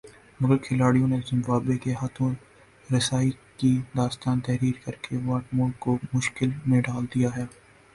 مگر کھلاڑیوں نے زمبابوے کے ہاتھوں رسائی کی داستان تحریر کر کے واٹمور کو مشکل میں ڈال دیا ہے